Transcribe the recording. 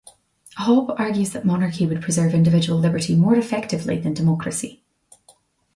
Hoppe argues that monarchy would preserve individual liberty more effectively than democracy.